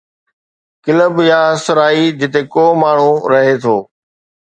Club يا سرائي جتي ڪو ماڻهو رهي ٿو.